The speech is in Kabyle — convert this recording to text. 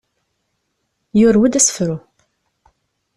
Yurew-d asefru.